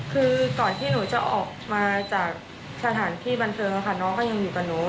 คือก่อนที่หนูจะออกมาจากสถานที่บันเทิงค่ะน้องก็ยังอยู่กับหนู